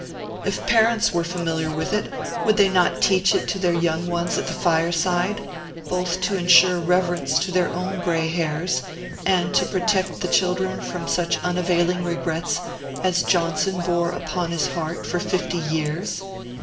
If parents were familiar with it, would they not teach it to their young ones at the fireside, both to insure reverence to their own gray hairs, and to protect the children from such unavailing regrets as Johnson bore upon his heart for fifty years?